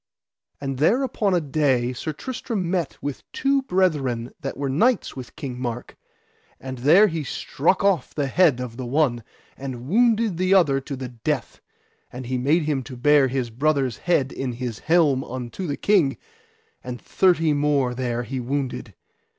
And there upon a day Sir Tristram met with two brethren that were knights with King Mark, and there he struck off the head of the one, and wounded the other to the death; and he made him to bear his brother's head in his helm unto the king, and thirty more there he wounded.